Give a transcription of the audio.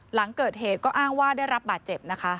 หลังเกิดเหตุก็อ้างว่าได้รับบาดเจ็บนะคะ